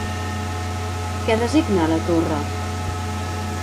Què designa la torre?